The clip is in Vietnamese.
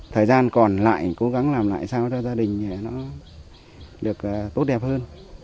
thời gian còn lại cố gắng làm lại sao cho gia đình nó được tốt đẹp hơn